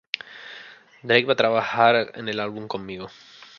Drake va a trabajar en el álbum conmigo".